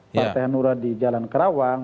partai hanura di jalan kerawang